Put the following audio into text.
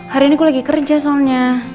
hari ini aku lagi kerja soalnya